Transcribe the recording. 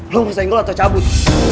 lo ngusahin gue lo atau cabut